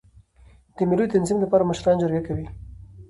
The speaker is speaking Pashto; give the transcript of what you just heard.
د مېلو د تنظیم له پاره مشران جرګه کوي.